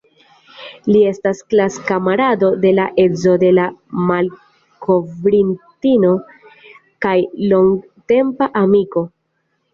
Li estas klas-kamarado de la edzo de la malkovrintino kaj longtempa amiko.